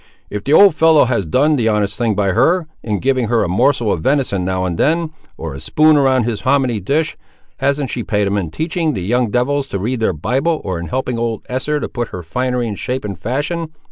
"If the old fellow has done the honest thing by her, in giving her a morsel of venison now and then, or a spoon around his homminy dish, hasn't she pay'd him in teaching the young devils to read their Bible, or in helping old Esther to put her finery in shape and fashion.